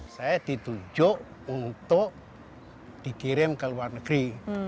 saya ditunjuk untuk dikirim ke luar negeri